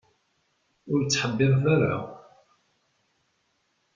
Ur ttḥebbiret ara.